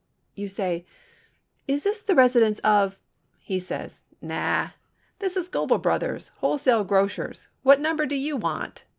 You say, "Is this the residence of—" He says, "Naw—this is Goebel Brothers, Wholesale Grocers—what number do you want?"